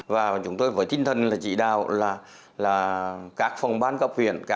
và chúng tôi với tinh thần là chỉ đạo là các phòng ban cấp huyện